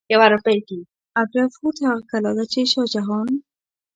اګره فورت هغه کلا ده چې شاه جهان